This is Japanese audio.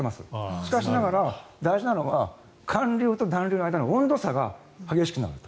しかし大事なのは寒流と暖流の間の温度差が激しくなると。